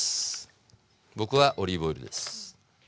僕はオリーブオイルです。